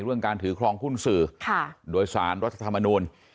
เรื่องการถือครองหุ้นสื่อโดยสารรัฐธรรมนูล